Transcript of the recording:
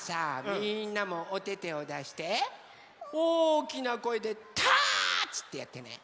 みんなもおててをだしておおきなこえで「ターッチ！」ってやってね！